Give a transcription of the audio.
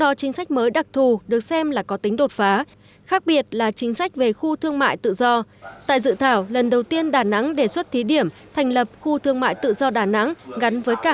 đặc thù phát triển thành phố đà nẵng